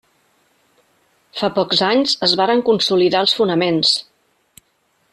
Fa pocs anys es varen consolidar els fonaments.